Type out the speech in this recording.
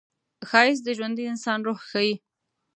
ښایست د ژوندي انسان روح ښيي